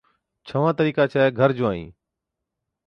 ڇھوان طريقا ڇَي گھر جُوائِين